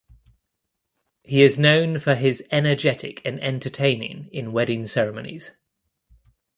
He is known for his energetic and entertaining in wedding ceremonies.